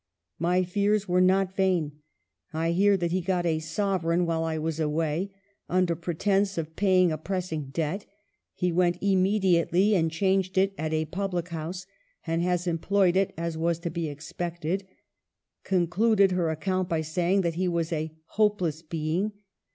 My fears were not vain. I hear that he got a sovereign while I have been away, under pre tence of paying a pressing debt ; he went imme diately and changed it at a public house, and has employed it as was to be expected ... con cluded her account by saying that he was a ' hopeless being.'